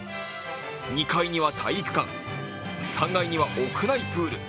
２階には体育館、３階には屋内プール。